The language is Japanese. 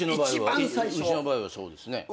うちの場合はそうですね。